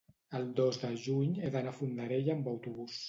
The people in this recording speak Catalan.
el dos de juny he d'anar a Fondarella amb autobús.